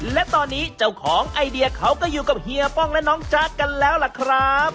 และตอนนี้เจ้าของไอเดียเขาก็อยู่กับเฮียป้องและน้องจ๊ะกันแล้วล่ะครับ